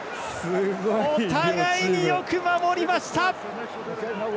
お互いによく守りました。